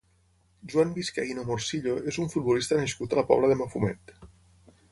Joan Vizcaíno Morcillo és un futbolista nascut a la Pobla de Mafumet.